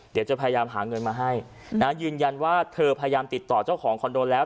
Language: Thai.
เดี๋ยวจะพยายามหาเงินมาให้นะยืนยันว่าเธอพยายามติดต่อเจ้าของคอนโดแล้ว